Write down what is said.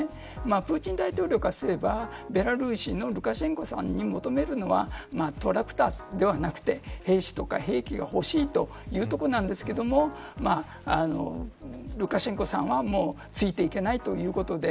プーチン大統領からすればベラルーシのルカシェンコさんに求めるのはトラクターではなくて兵士とか兵器がほしいというところなんですけれどもルカシェンコさんはもうついていけないということで。